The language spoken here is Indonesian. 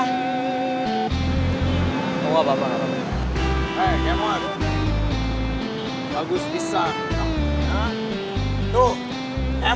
itu kenapa abah gak pernah setujuin kamu pacaran si nenek